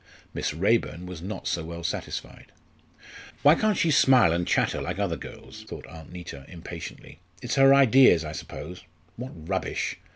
Miss Raeburn was not so well satisfied. "Why can't she smile and chatter like other girls?" thought Aunt Neta, impatiently. "It's her 'ideas,' I suppose. What rubbish!